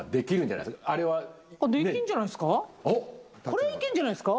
これいけるんじゃないですか？